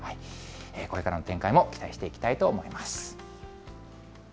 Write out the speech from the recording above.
これからの展開も期待していきたいと思います。